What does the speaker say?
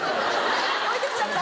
置いてきちゃった。